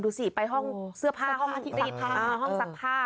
ดูสิไปห้องเสื้อผ้าห้องสักผ้า